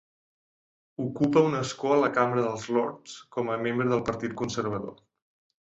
Ocupa un escó a la Cambra dels lords com a membre del Partit Conservador.